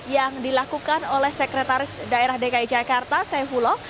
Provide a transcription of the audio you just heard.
yang dilakukan oleh sekretaris daerah dki jakarta saifullah